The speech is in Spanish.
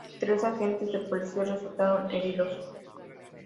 Tres agentes de policía resultaron heridos.